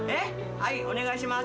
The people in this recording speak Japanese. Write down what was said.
はい、お願いします。